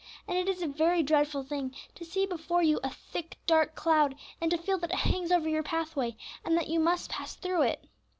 And it is a very dreadful thing to see before you a thick, dark cloud, and to feel that it hangs over your pathway, and that you must pass through it.